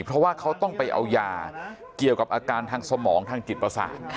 เพราะว่าเขาต้องไปเอายาเกี่ยวกับอาการทางสมองทางจิตประสาท